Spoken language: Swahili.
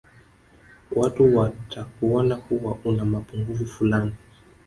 watu watakuona kuwa una mapungufu fulani